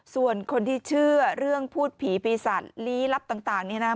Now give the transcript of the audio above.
ส่วนคนที่เชื่อเรื่องพูดผีปีศาจลี้ลับต่างเนี่ยนะ